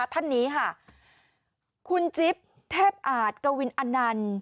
ท่านนี้ค่ะคุณจิ๊บแทบอาทกวินอาณัน